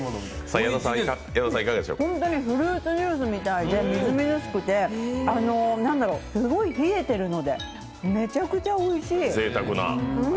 本当にフルーツジュースみたいで、みずみずしくて、すごい冷えているので、めちゃくちゃおいしい。